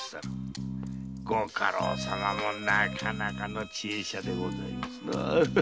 ご家老様もなかなかの知恵者でございます。